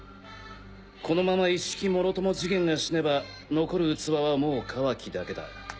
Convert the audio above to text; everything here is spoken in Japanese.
このままイッシキもろともジゲンが死ねば残る器はもうカワキだけだ。